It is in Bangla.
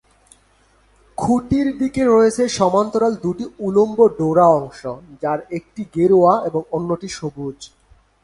খুঁটির দিকে রয়েছে সমান্তরাল দুটি উলম্ব ডোরা অংশ, যার একটি গেরুয়া এবং অন্যটি সবুজ।